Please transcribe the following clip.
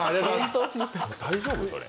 大丈夫それ？